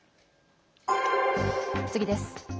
次です。